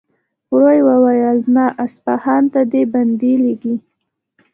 ورو يې وويل: نه! اصفهان ته دې بندې لېږي.